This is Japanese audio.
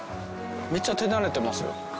めっちゃ手慣れてますよ。